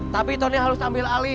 tapi tony harus ambil alih